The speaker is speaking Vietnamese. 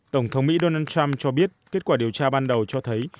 tổng thống mỹ donald trump cho biết kết quả điều tra ban đầu cho thấy